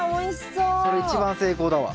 それ一番成功だわ。